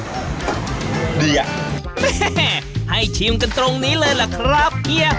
พี่ไอ้โหงให้ชิมกันตรงนี้เลยล่ะครับ